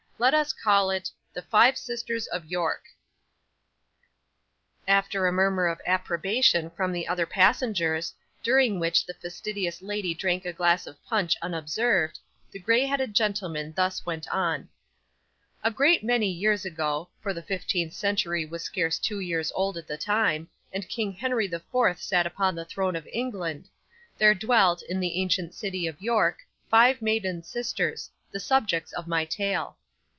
Let us call it THE FIVE SISTERS OF YORK After a murmur of approbation from the other passengers, during which the fastidious lady drank a glass of punch unobserved, the grey headed gentleman thus went on: 'A great many years ago for the fifteenth century was scarce two years old at the time, and King Henry the Fourth sat upon the throne of England there dwelt, in the ancient city of York, five maiden sisters, the subjects of my tale.